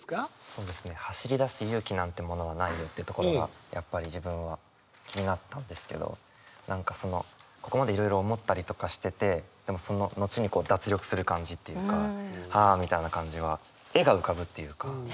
そうですね「走り出す勇気なんてものは無いよ」というところがやっぱり自分は気になったんですけど何かそのここまでいろいろ思ったりとかしててその後に脱力する感じっていうかはあみたいな感じは絵が浮かぶっていうか。